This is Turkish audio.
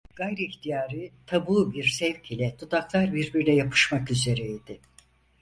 Gayri ihtiyarı, tabu bir sevk ile dudaklar birbirine yapışmak üzere idi.